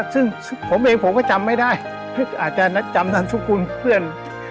ซึ่งผมเองผมก็จำไม่ได้อาจจะจำทันสุกุลเพื่อน